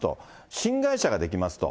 新会社が出来ますと。